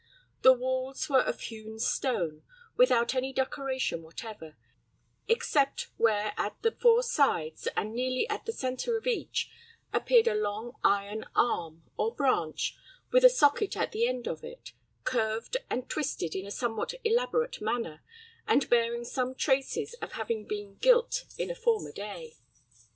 The walls were of hewn stone, without any decoration whatever, except where at the four sides, and nearly in the centre of each, appeared a long iron arm, or branch, with a socket at the end of it, curved and twisted in a somewhat elaborate manner, and bearing some traces of having been gilt in a former day.